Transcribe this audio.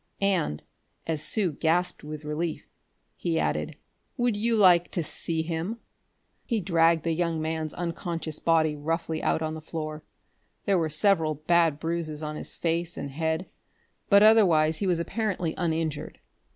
And, as Sue gasped with relief, he added: "Would you like to see him?" He dragged the young man's unconscious body roughly out on the floor. There were several bad bruises on his face and head, but otherwise he was apparently uninjured.